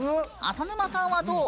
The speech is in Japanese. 浅沼さんはどう？